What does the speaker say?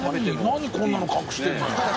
「何こんなの隠してるのよ！」